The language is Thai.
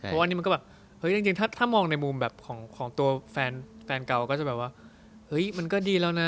เพราะว่านี่มันก็แบบเฮ้ยจริงถ้ามองในมุมแบบของตัวแฟนเก่าก็จะแบบว่าเฮ้ยมันก็ดีแล้วนะ